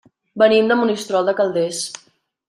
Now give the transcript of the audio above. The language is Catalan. Venim de Monistrol de Calders.